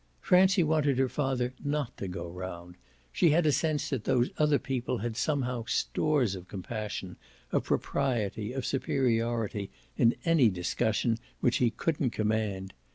Francie wanted her father not to go round; she had a sense that those other people had somehow stores of comparison, of propriety, of superiority, in any discussion, which he couldn't command.